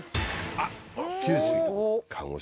あっ九州。